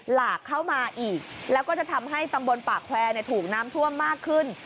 หลากเข้ามาอีกแล้วก็จะทำให้ตำบลปากแควร์ถูกน้ำท่วมมากขึ้น